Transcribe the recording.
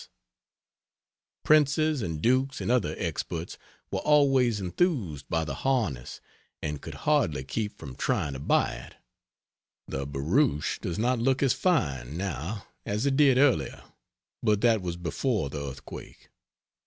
Princes and dukes and other experts were always enthused by the harness and could hardly keep from trying to buy it. The barouche does not look as fine, now, as it did earlier but that was before the earthquake.